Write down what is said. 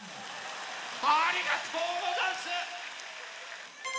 ありがとうござんす！